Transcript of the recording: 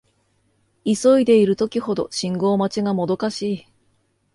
急いでいる時ほど信号待ちがもどかしい